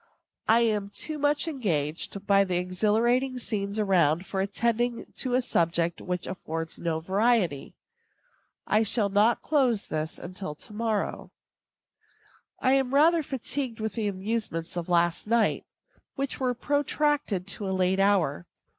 I am too much engaged by the exhilarating scenes around for attending to a subject which affords no variety. I shall not close this till to morrow. I am rather fatigued with the amusements of last night, which were protracted to a late hour.